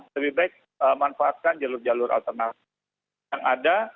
lebih baik manfaatkan jalur jalur alternatif yang ada